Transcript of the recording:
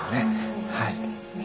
そうなんですね。